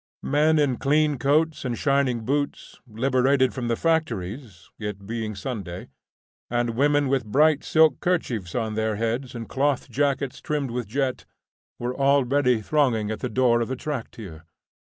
Men in clean coats and shining boots, liberated from the factories, it being Sunday, and women with bright silk kerchiefs on their heads and cloth jackets trimmed with jet, were already thronging at the door of the traktir.